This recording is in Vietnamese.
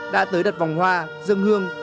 đã tới đặt vòng hoa dân hương